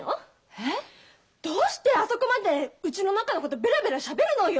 ええ！？どうしてあそこまでうちの中のことべらべらしゃべるのよ！